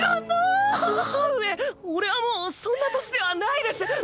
母上俺はもうそんな年ではないです！